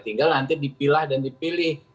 tinggal nanti dipilah dan dipilih